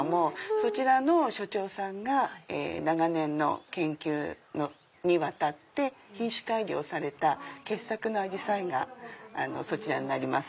そちらの所長さんが長年にわたって品種改良された傑作のアジサイがそちらになります。